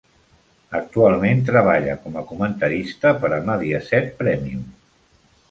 Actualment treballa com a comentarista per a Mediaset Premium.